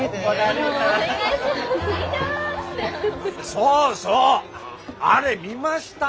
そうそうあれ見ました？